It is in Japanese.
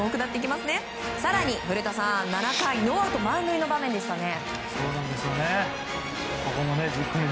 更に古田さん、７回ノーアウト満塁の場面でしたね。